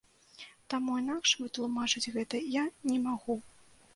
Таму інакш вытлумачыць гэта я не магу.